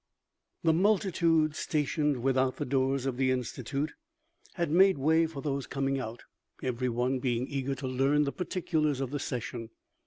THE multitude stationed without the doors of the In stitute had made way for those coming out, every one being eager to learn the particulars of the session.